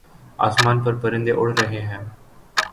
آسمان پر پرندے اڑ رہے ہیں